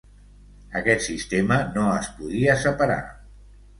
Aquest sistema no es podia separar.